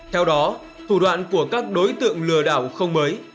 theo đó thủ đoạn của các đối tượng lừa đảo không mới